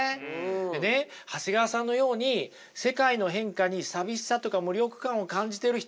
でね長谷川さんのように世界の変化に寂しさとか無力感を感じてる人にね